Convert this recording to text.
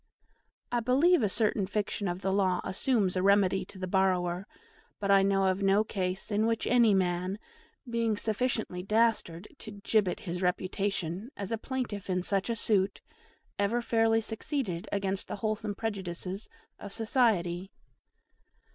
I believe a certain fiction of the law assumes a remedy to the borrower; but I know of no case in which any man, being sufficiently dastard to gibbet his reputation as plaintiff in such a suit, ever fairly succeeded against the wholesome prejudices of society.